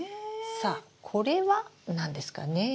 さあこれは何ですかねえ？